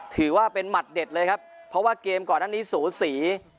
ถือว่าเป็นหมัดเด็ดเลยครับเพราะว่าเกมก่อนอันนี้สูสี